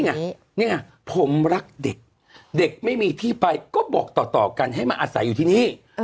นี่ไงผมรักเด็กเด็กไม่มีที่ไปก็บอกต่อกันให้มาอาศัยอยู่ที่นี่